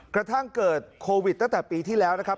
กระทั่งเกิดโควิดตั้งแต่ปีที่แล้วนะครับ